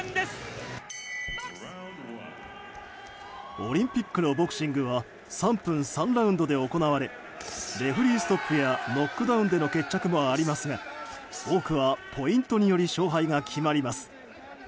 オリンピックのボクシングは３分３ラウンドで行われレフェリーストップやノックダウンでの決着もありますが多くはポイントにより勝敗が決まります。